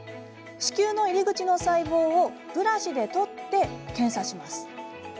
子宮の入り口の細胞をブラシで取って検査します。